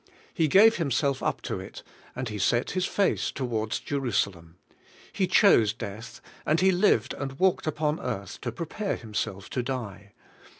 He gave Himself up to it, and He set His face towards Jerusalem. He chose death, and He lived and walked upon earth to prepare Himself to die.